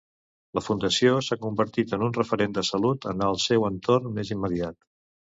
La Fundació s'ha convertit en un referent de salut en el seu entorn més immediat.